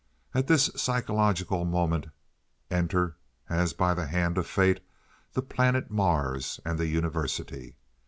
At this psychological moment enter, as by the hand of Fate, the planet Mars and the University.